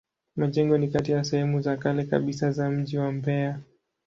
Majengo ni kati ya sehemu za kale kabisa za mji wa Mbeya.